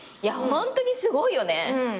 ホントにすごいよね。